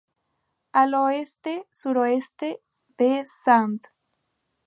Al oeste suroeste de St.